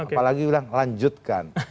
apalagi bilang lanjutkan